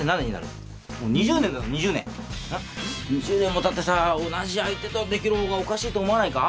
２０年もたってさ同じ相手とできる方がおかしいと思わないか？